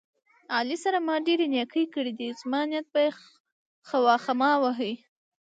علي سره ما ډېرې نیکۍ کړې دي، زما نیت به یې خواخما وهي.